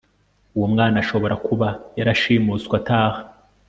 Uwo mwana ashobora kuba yarashimuswe ataha